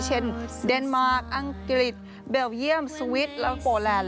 เช่นเดนมาร์กอังกฤษเบลเยียมสวิตซ์แล้วโปแลนด์